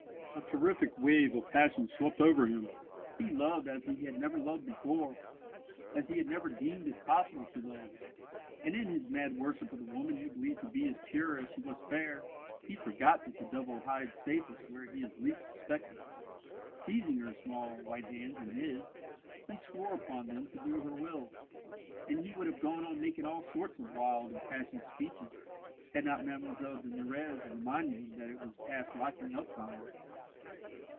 A terrific wave of passion swept over him. He loved as he had never loved before as he had never deemed it possible to love: and in his mad worship of the woman he believed to be as pure as she was fair, he forgot that the devil hides safest where he is least suspected. Seizing her small white hands in his, he swore upon them to do her will; and he would have gone on making all sorts of wild, impassioned speeches had not Mlle de Nurrez reminded him that it was past locking up time.